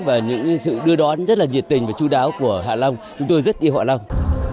và những sự đưa đón rất là nhiệt tình và chú đáo của hạ long chúng tôi rất yêu hạ long